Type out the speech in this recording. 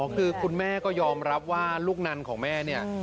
คือคุณแม่ก็ยอมรับว่าลูกนันของแม่เนี่ย